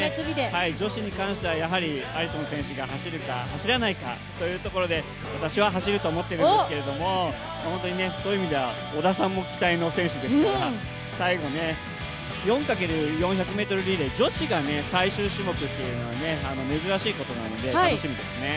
女子に関してはアリソン選手が走るか走らないかというところで私は走ると思ってるんですけどそういう意味では織田さんも期待の選手ですから最後、４×４００ｍリレー女子が最終種目っていうのは珍しいことなので楽しみですね。